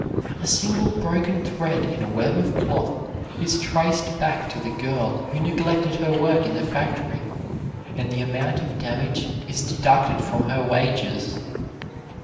A single broken thread in a web of cloth is traced back to the girl who neglected her work in the factory, and the amount of damage is deducted from her wages.